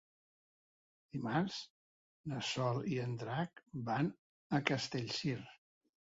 Dimarts na Sol i en Drac van a Castellcir.